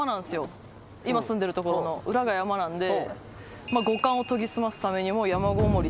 今住んでる所の裏が山なんで。